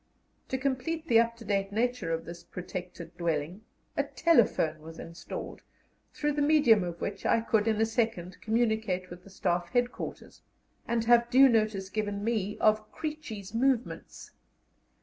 To complete the up to date nature of this protected dwelling, a telephone was installed, through the medium of which I could in a second communicate with the Staff Headquarters, and have due notice given me of "Creechy's" movements.